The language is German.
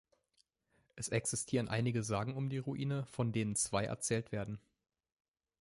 Es existieren einige Sagen um die Ruine, von denen zwei erzählt werden.